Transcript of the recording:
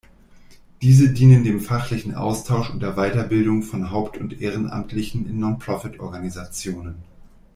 Diese dienen dem fachlichen Austausch und der Weiterbildung von Haupt- und Ehrenamtlichen in Non-Profit-Organisationen.